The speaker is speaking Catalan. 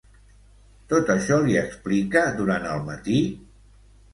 Tot això li explica durant el matí?